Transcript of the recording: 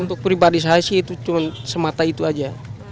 untuk privatisasi itu cuma semata itu aja